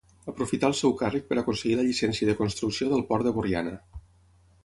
Aprofità el seu càrrec per aconseguir la llicència de construcció del port de Borriana.